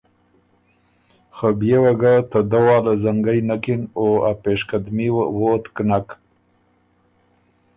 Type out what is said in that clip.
خه بيې وه ګۀ ته دۀ واله زنګئ نکِن او ا پېشقدمي وه ووتک نک۔